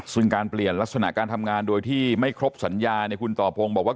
ซึ่งการเปลี่ยนลักษณะการทำงานโดยที่ไม่ครบสัญญาเนี่ยคุณต่อพงศ์บอกว่า